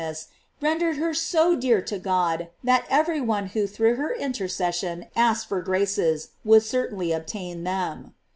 2 GLORIES OF MAET, rendered her so dear to God that everyone wnot through her intercession, asked for graces, woul^ certainly obtain them.